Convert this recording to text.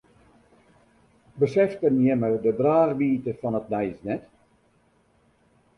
Beseften jimme de draachwiidte fan it nijs net?